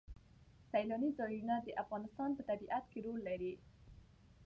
سیلاني ځایونه د افغانستان په طبیعت کې رول لري.